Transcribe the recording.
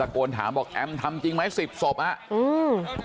โกนถามบอกแอมทำจริงไหมสิบศพอ่ะอืม